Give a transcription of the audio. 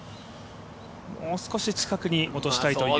もう少し近くに落としたいという。